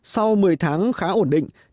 sau một mươi tháng khá ổn định